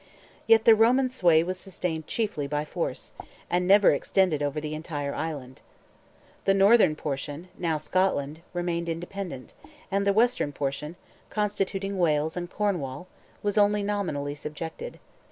Yet the Roman sway was sustained chiefly by force, and never extended over the entire island. The northern portion, now Scotland, remained independent, and the western portion, constituting Wales and Cornwall, was only nominally subjected.